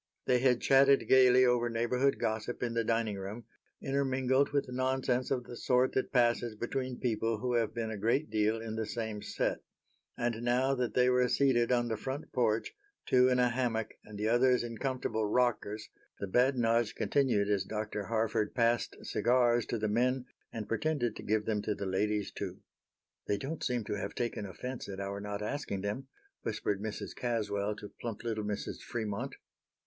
They had chatted gaily over neighborhood gossip in the dining room, intermingled with nonsense of the sort that passes between people who have been a great deal in the same set. And now that they were seated on the front porch, two in a hammock and the others in comfortable rockers, the badinage continued as Dr. Harford passed cigars to the men and pretended to give them to the ladies, too. "They don't seem to have taken offense at our not asking them," whispered Mrs. Caswell to plump little Mrs. Fremont.